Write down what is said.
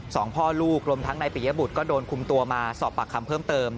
สองพ่อลูกรวมทั้งนายปิยบุตรก็โดนคุมตัวมาสอบปากคำเพิ่มเติม